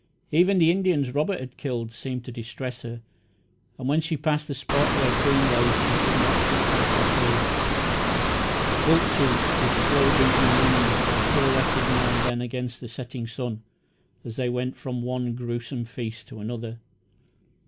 Even the Indians Robert had killed seemed to distress her, and when she passed the spot where Queen lay she could not keep back her tears. Vultures, with slow beating wings, were silhouetted now and then against the setting sun, as they went from one grewsome feast to another.